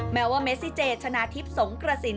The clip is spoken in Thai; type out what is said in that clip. แม้ว่าเมซิเจชนะทิพย์สงกระสิน